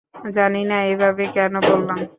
জানি না এভাবে কেন বললাম।